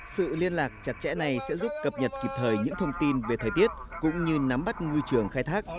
sự liên lạc chặt chẽ này sẽ giúp cập nhật kịp thời những thông tin về thời tiết cũng như nắm bắt ngư trường khai thác